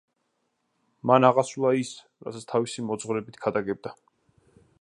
მან აღასრულა ის, რასაც თავისი მოძღვრებით ქადაგებდა.